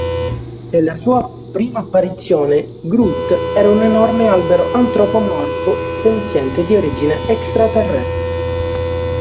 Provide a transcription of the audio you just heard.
Nella sua prima apparizione, Groot era un enorme albero antropomorfo senziente di origine extraterrestre.